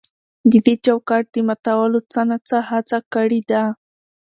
د دې چوکاټ د ماتولو څه نا څه هڅه کړې ده.